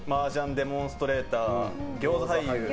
デモンストレーター餃子俳優。